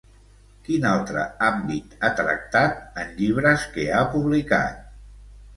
Quin altre àmbit ha tractat en llibres que ha publicat?